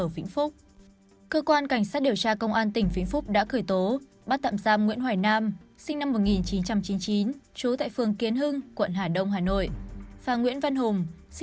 phàng nguyễn văn hùng sinh năm một nghìn chín trăm chín mươi hai